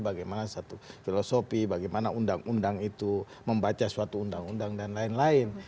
bagaimana satu filosofi bagaimana undang undang itu membaca suatu undang undang dan lain lain